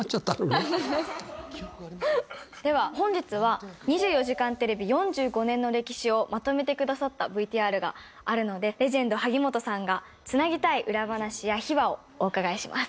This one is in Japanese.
では、本日は２４時間テレビ４５年の歴史をまとめてくださったＶＴＲがあるので、レジェンド、萩本さんがつなげたい裏話や秘話をお伺いします。